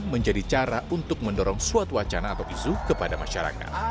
menjadi cara untuk mendorong suatu wacana atau isu kepada masyarakat